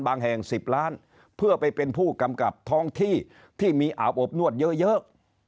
แห่ง๑๐ล้านเพื่อไปเป็นผู้กำกับท้องที่ที่มีอาบอบนวดเยอะ